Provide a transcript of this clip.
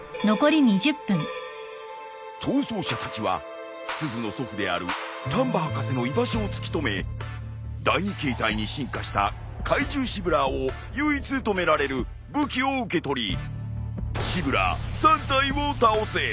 逃走者たちはすずの祖父である丹波博士の居場所を突き止め第２形態に進化した怪獣シブラーを唯一止められる武器を受け取りシブラー３体を倒せ！